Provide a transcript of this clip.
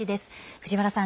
藤原さん